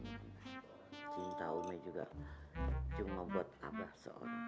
cinta umi juga cuma buat abah seorang